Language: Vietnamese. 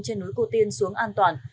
trên núi cô tiên xuống an toàn